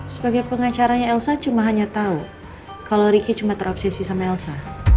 sebagai pengacaranya elsa cuma hanya tahu kalau ricky cuma terobsesi sama elsa